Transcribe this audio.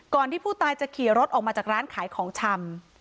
ที่ผู้ตายจะขี่รถออกมาจากร้านขายของชำ